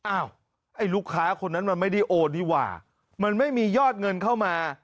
ไอ้ลูกค้าคนนั้นมันไม่ได้โอนดีกว่ามันไม่มียอดเงินเข้ามา